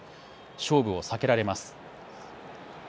勝負を避けられます。